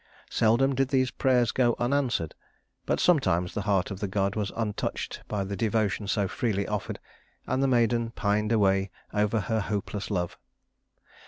Seldom did these prayers go unanswered; but sometimes the heart of the god was untouched by the devotion so freely offered, and the maiden pined away over her hopeless love.